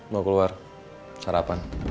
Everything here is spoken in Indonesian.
mau keluar sarapan